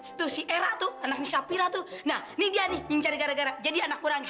itu si erak tuh anak nisha pira tuh nah nih dia nih yang cari gara gara jadi anak gue nangis